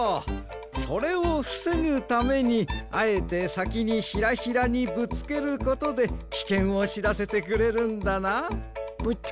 それをふせぐためにあえてさきにヒラヒラにぶつけることできけんをしらせてくれるんだな。